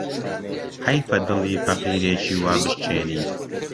حەیفە دڵی فەقیرێکی وا بشکێنی